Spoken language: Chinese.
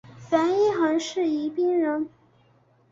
樊一蘅是宜宾人。